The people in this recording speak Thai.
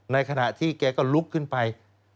ในขณะที่แกก็ลุกขึ้นไป